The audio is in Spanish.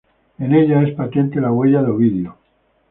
En ella es patente la huella de Ovidio.